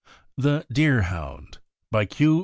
THE DEERHOUND. BY Q.